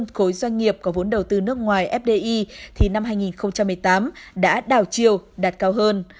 khối doanh nghiệp có vốn đầu tư nước ngoài fdi thì năm hai nghìn một mươi tám đã đảo chiều đạt cao hơn